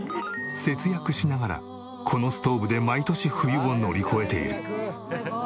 節約しながらこのストーブで毎年冬を乗り越えている。